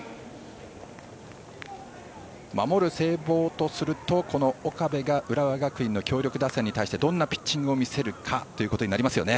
守る聖望とするとこの岡部が浦和学院の強力打線に対してどんなピッチングを見せるかとなりますね。